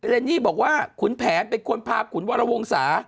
เนนี่บอกว่าขุนแผนเป็นคนพาขุนวรวงศา